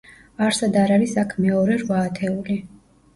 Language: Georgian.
არსად არ არის აქ მეორე რვა ათეული.